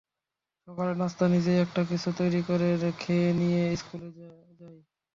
সকালে নাশতা নিজেই একটা কিছু তৈরি করে খেয়ে নিয়ে স্কুলে যায়।